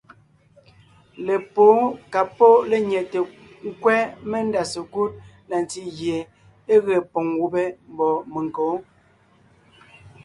Lepwóon ka pɔ́ lenyɛte nkwɛ́ mendá sekúd na ntí gie é ge poŋ gubé mbɔ̌ menkǒ.